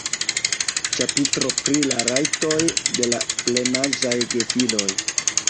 Ĉapitro pri la rajtoj de la plenaĝaj gefiloj.